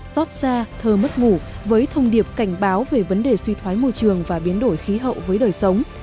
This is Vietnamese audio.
xót xa thơ mất ngủ với thông điệp cảnh báo về vấn đề suy thoái môi trường và biến đổi khí hậu với đời sống